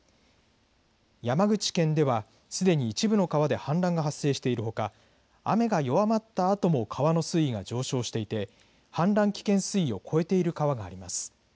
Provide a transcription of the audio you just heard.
山口県では、すでに一部の川で氾濫が発生しているほか雨が弱まったあとも川の水位が上昇していて氾濫危険水位を超えている川があります。